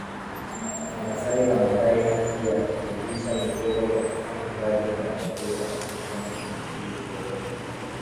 Wamasai wanadai haki ya kulisha mifugo katika Hifadhi za Taifa katika nchi zote mbili